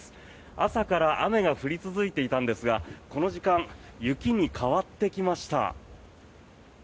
朝から雨が降り続いていたんですがこの時間雪に変わってきました。